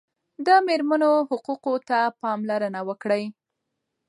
د مېرمنو حقوقو ته پاملرنه وکړئ.